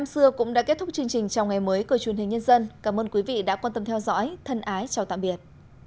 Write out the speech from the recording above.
trong đó phụ nữ đàn ông trẻ em trai khuyết tật đều thấy được triển vọng của bản thân